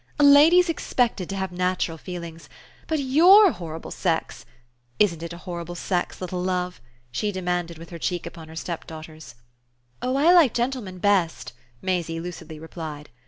"A lady's expected to have natural feelings. But YOUR horrible sex ! Isn't it a horrible sex, little love?" she demanded with her cheek upon her stepdaughter's. "Oh I like gentlemen best," Maisie lucidly replied.